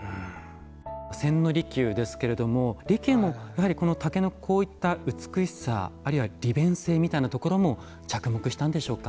千利休ですけれども利休もやはり竹のこういった美しさあるいは利便性みたいなところも着目したんでしょうか。